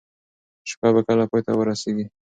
شپه به کله پای ته ورسیږي؟